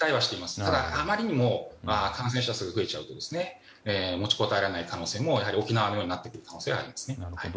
ただ、あまりにも感染者数が増えちゃうと持ちこたえられない可能性もやはり沖縄のようになってくる可能性もあります。